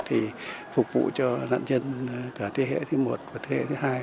thì phục vụ cho nạn nhân cả thế hệ thứ một và thế hệ thứ hai